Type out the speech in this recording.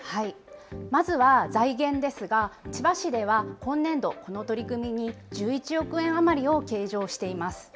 まずは財源ですが、千葉市では今年度、この取り組みに１１億円余りを計上しています。